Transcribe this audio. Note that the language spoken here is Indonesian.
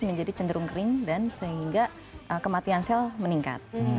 menjadi cenderung kering dan sehingga kematian sel meningkat